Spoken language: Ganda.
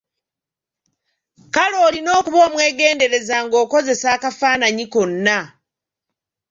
Kale olina okuba omwegendereza ng'okozesa akafaananyi konna.